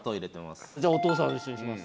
じゃあお父さんと一緒にします。